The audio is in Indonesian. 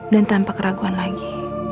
dan tanpa keraguan lagi